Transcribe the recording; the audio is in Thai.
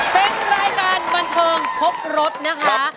เป็นรายการบันเทิงครบรถนะคะ